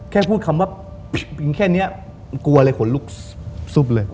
แค่พูดคำว่าเป็นแค่นี้กลัวเลยขนลุกซุบเลย